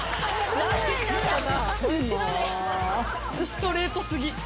ストレート過ぎ。